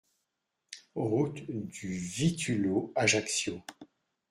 Route du Vittulo, Ajaccio